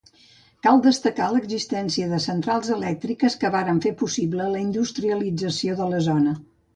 Cal destacar l'existència de centrals elèctriques que varen fer possible la industrialització de la zona.